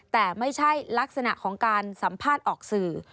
แต่ไม่ใช่ลักษณะของการสัมภาษณ์ออกสื่อ